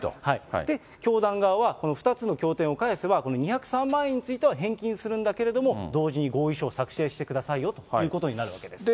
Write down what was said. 教団側は、２つの経典を返せば、２０３万円については返金するんだけれども、同時に合意書を作成してくださいよということになるわけです。